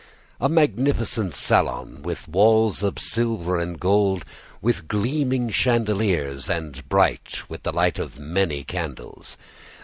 a magnificent salon, with walls of silver and gold, with gleaming chandeliers, and bright with the light of many candles.